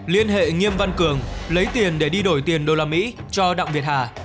liên hệ nghiêm văn cường lấy tiền để đi đổi tiền usd cho đặng việt hà